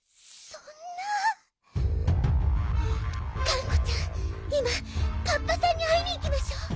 がんこちゃんいまカッパさんにあいにいきましょう。